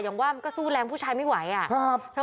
แต่ว่ามันซู่แรงผู้ชายไม่ไหว